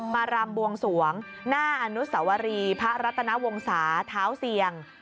รำบวงสวงหน้าอนุสวรีพระรัตนวงศาเท้าเสี่ยง